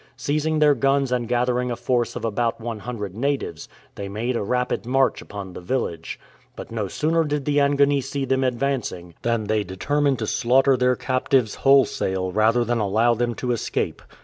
Seizing their guns and gathering a force of about 100 natives, they made a rapid march upon the village. But no sooner did the Angoni see them advancing than they determined to slaughter 140 A GREAT "INDABA" their captives wholesale rather than allow them to escape.